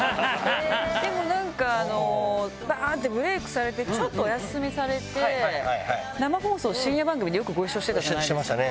でもなんか、ばーんってブレークされて、ちょっとお休みされて、生放送、深夜番組でよくご一してましたね。